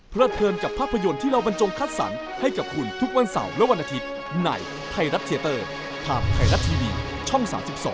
เทินกับภาพยนตร์ที่เราบรรจงคัดสรรให้กับคุณทุกวันเสาร์และวันอาทิตย์ในไทยรัฐเทียเตอร์ทางไทยรัฐทีวีช่อง๓๒